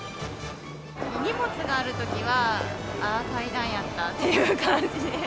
荷物があるときは、ああ、階段やったっていう感じ。